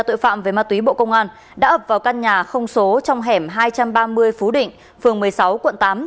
tội phạm về ma túy bộ công an đã ập vào căn nhà không số trong hẻm hai trăm ba mươi phú định phường một mươi sáu quận tám